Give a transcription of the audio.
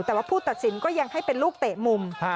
แต่ว่าผู้ตัดสินก็ยังให้เป็นลูกเตะมุม